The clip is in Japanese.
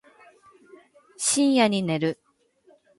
深夜に寝る